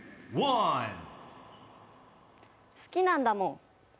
好きなんだもん。